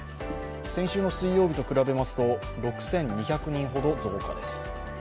先週の水曜日と比べますと６２００人ほど増加です。